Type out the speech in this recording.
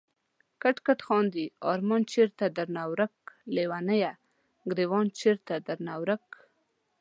کټ کټ خاندی ارمان چېرته درنه ورک ليونيه، ګريوان چيرته درنه ورک